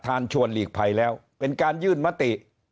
ชวนหลีกภัยแล้วเป็นการยื่นมติ